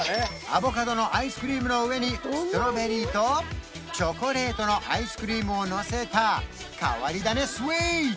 アボカドのアイスクリームの上にストロベリーとチョコレートのアイスクリームをのせた変わり種スイーツ！